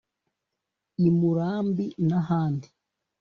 I Murambi n’ahandi